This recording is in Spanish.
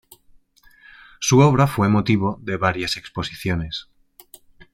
Su obra fue motivo de varias exposiciones.